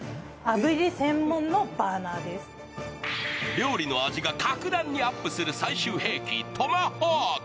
料理の味が格段にアップする最終兵器トマホーク。